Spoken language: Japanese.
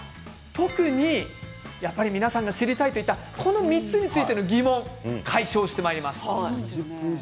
特にやっぱり皆さんが知りたいといったこの３つについての疑問を解消してまいります。